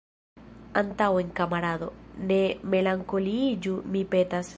Antaŭen, kamarado! ne melankoliiĝu, mi petas.